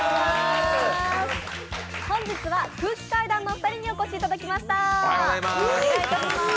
本日は空気階段のお二人にお越しいただきました。